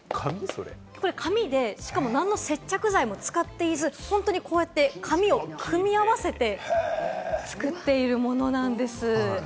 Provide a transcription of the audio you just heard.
紙で、しかも何の接着剤も使っておらず、このように紙を組み合わせて作っているものなんです。